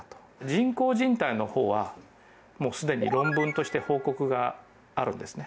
人工じん帯のほうはすでに論文として報告があるんですね。